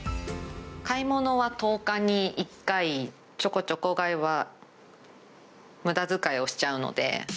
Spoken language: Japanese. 買い物は１０日に１回、ちょこちょこ買いはむだづかいをしちゃうので。